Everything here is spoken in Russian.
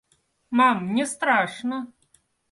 Мам, мне страшно.